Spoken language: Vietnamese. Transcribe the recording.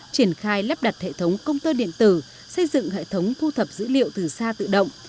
triển khai lắp đặt hệ thống công tơ điện tử xây dựng hệ thống thu thập dữ liệu từ xa tự động